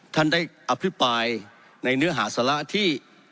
ท่านได้อภิปรายในเนื้อหาสาระที่